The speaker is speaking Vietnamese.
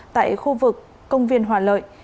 tại khu vực công viên hòa lợi